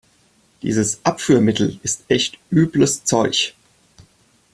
Dieses Abführmittel ist echt übles Zeug.